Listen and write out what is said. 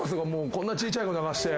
こんな小ちゃい子泣かして。